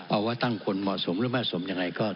เอาว่าตั้งคนเหมาะสมหรือไม่สมยังไงก็